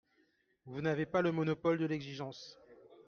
Vous n’avez pas le monopole de l’exigence.